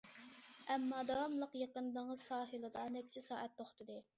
ئەمما داۋاملىق يېقىن دېڭىز ساھىلىدا نەچچە سائەت توختىدى.